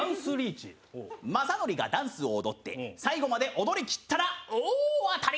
まさのりがダンスを踊って最後まで踊りきったら大当たり！